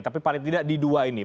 tapi paling tidak di dua ini